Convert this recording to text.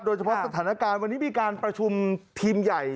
สถานการณ์วันนี้มีการประชุมทีมใหญ่